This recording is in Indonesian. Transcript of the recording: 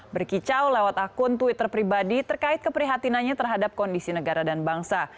berkicau lewat akun twitter pribadi terkait keprihatinannya terhadap kondisi negara dan bangsa